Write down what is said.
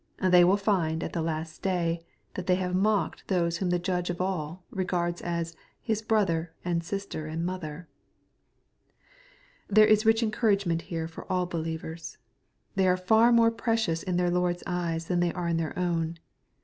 They will find at the last day that they have mocked those whom the Judge of all regards as " His brother, and sister, and mother." There is rich encouragement here for all believers. They are &r more precious in their Lord's eyes than they are in their own.